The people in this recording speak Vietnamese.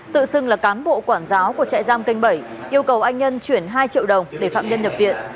tự xưng là cán bộ quản giáo của trại giam kênh bảy yêu cầu anh nhân chuyển hai triệu đồng để phạm nhân nhập viện